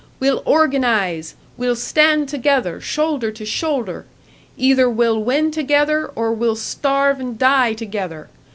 We'll organise, we'll stand together shoulder to shoulder! Either we'll win together, or we'll starve and die together!